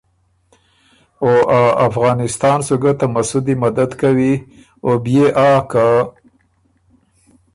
او ا افغانستان سو ګه ته مسُوذی مدد کوی او بيې آ که